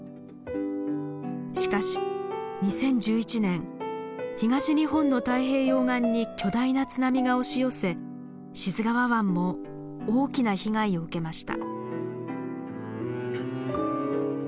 しかし２０１１年東日本の太平洋岸に巨大な津波が押し寄せ志津川湾も大きな被害を受けました。